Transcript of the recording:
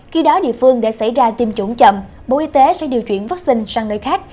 khi đó địa phương để xảy ra tiêm chủng chậm bộ y tế sẽ điều chuyển vaccine sang nơi khác